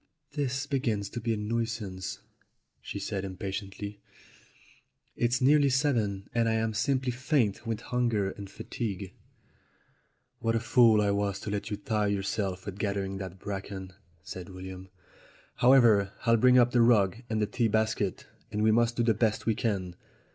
"This begins to be a nuisance," she said impatiently. "It's nearly seven, and I am simply faint with hunger and fatigue." LOVERS ON AN ISLAND 261 "What a fool I was to let you tire yourself with gathering that bracken," said William. "However, I'll bring up the rug and the tea basket, and we must do the best we can.